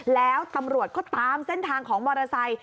แล้วตำรวจก็ตามเส้นทางของมอเตอร์ไซค์